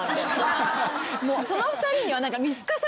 その二人には。